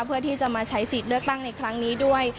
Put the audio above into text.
เพื่อที่จะมาใช้สิทธิ์เลือกตั้งในครั้งนี้ด้วย